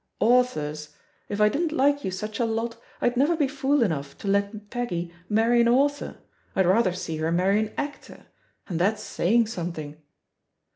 Authors? If I didn't like you such a lot, I'd never be fool enough to let Peggy marry an author, I'd rather see her marry an actor — ^and that's saying something.